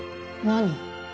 何？